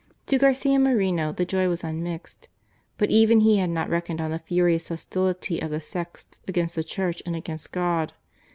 To Garcia Moreno the joy was unmixed, but even he had not reckoned on the furious hostility of the sects against the Church and against God.